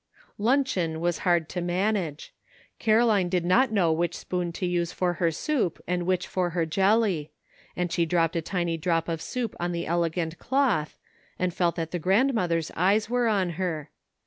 Luncheon was hard to manage. Caroline did not know which spoon to use for her soup and which for her jelly ; and she dropped a tiny drop of soup on the elegant cloth, and felt that the grandmother's eyes were on her.